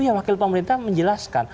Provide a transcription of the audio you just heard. ya wakil pemerintah menjelaskan